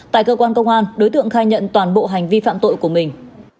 tại cơ quan công an đối tượng khai nhận toàn bộ hành vi phạm tội của mình